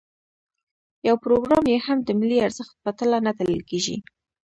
یو پروګرام یې هم د ملي ارزښت په تله نه تلل کېږي.